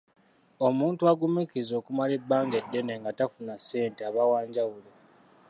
Omuntu agumiikiriza okumala ebbanga eddene nga tafuna ssente aba wanjawulo.